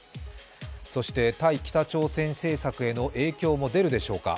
そして対北朝鮮政策への影響も出るでしょうか。